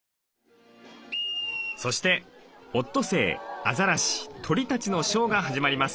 そしてオットセイアザラシ鳥たちのショーが始まります。